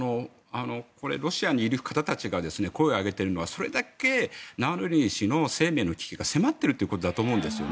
これ、ロシアにいる方たちが声を上げているのはそれだけナワリヌイ氏の生命の危機が迫っているということだと思うんですよね。